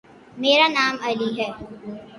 میرا نام علی ہے۔